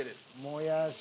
もやし。